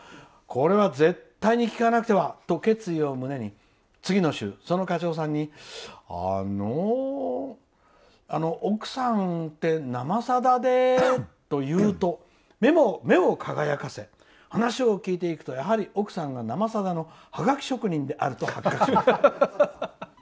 これは絶対に聞かなくてはと決意を胸に次の週、その課長さんにあの奥さんって「生さだ」でと言うと目を輝かせ話を聞いていくとやはり奥さんが「生さだ」のハガキ職人であると。